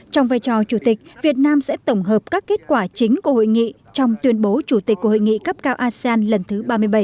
trong vai trò chủ tịch việt nam sẽ tổng hợp các kết quả chính của hội nghị trong tuyên bố chủ tịch của hội nghị cấp cao asean lần thứ ba mươi bảy